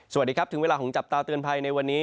สวัสดีครับถึงเวลาของจับตาเตือนภัยในวันนี้